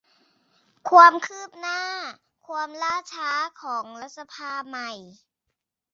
ความคืบหน้า ความล่าช้า ของรัฐสภาใหม่